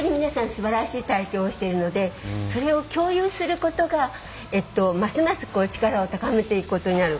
すばらしい体験をしているのでそれを共有することがますます力を高めていくことになる。